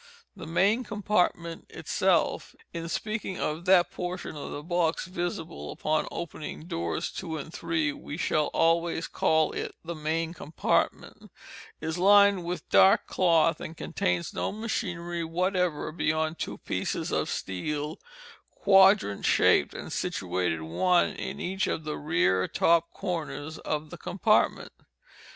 The main compartment itself (in speaking of that portion of the box visible upon opening doors 2 and 3, we shall always call it the main compartment) is lined with dark cloth and contains no machinery whatever beyond two pieces of steel, quadrant shaped, and situated one in each of the rear top corners of the compartment.